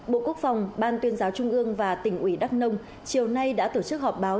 bộ quốc phòng ban tuyên giáo trung ương và tỉnh ủy đắk nông chiều nay đã tổ chức họp báo